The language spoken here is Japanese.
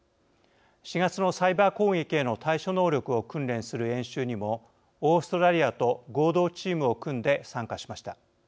４月のサイバー攻撃への対処能力を訓練する演習にもオーストラリアと合同チームを組んで参加しました。